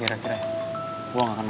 dia udah dia masa masanya